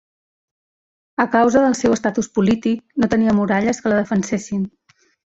A causa del seu estatus polític no tenia muralles que la defensessin.